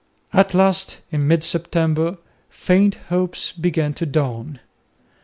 At last in mid September faint hopes began to dawn.